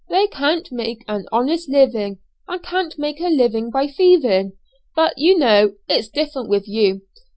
They can't make an honest living, and can't make a living by thieving; but, you know, it's different with you.